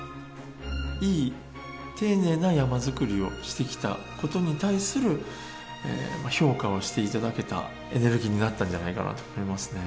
いい、丁寧な山づくりをしてきたことに対する評価をしていただけた、エネルギーになったんじゃないかと思いますね。